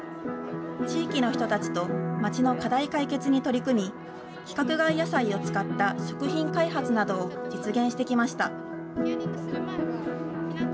地域の人たちと、町の課題解決に取り組み、規格外野菜を使った食品開発などを実現してきました。